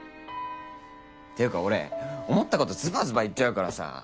っていうか俺思った事ずばずば言っちゃうからさ